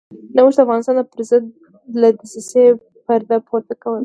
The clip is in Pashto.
نوښت د افغانستان پرضد له دسیسې پرده پورته کوله.